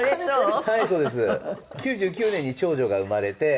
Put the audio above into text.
９９年に長女が生まれて。